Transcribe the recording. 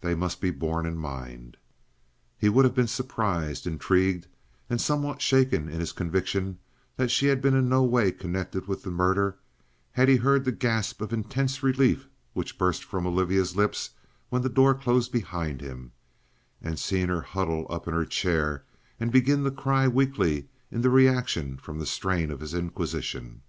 They must be borne in mind. He would have been surprised, intrigued, and somewhat shaken in his conviction that she had been in no way connected with the murder, had he heard the gasp of intense relief which burst from Olivia's lips when the door closed behind him, and seen her huddle up in her chair and begin to cry weakly in the reaction from the strain of his inquisition.